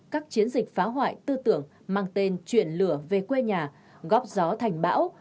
các chiến dịch phá hoại tư tưởng mang tên chuyển lửa về quê nhà góp gió thành bão